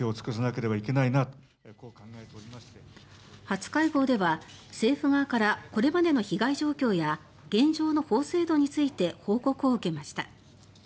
初会合では、政府側からこれまでの被害状況や現状の法制度について報告を受けました。